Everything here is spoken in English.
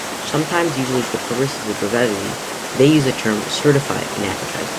Sometimes, usually for purposes of brevity, they use the term "certified" in advertising.